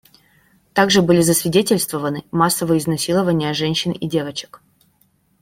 Также были засвидетельствованы массовые изнасилования женщин и девочек.